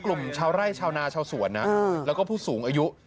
กลุ่มชาวไร่ชาวนาชาวสวนนะแล้วก็ผู้สูงอายุ